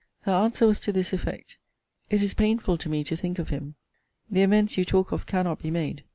Her answer was to this effect It is painful to me to think of him. The amends you talk of cannot be made.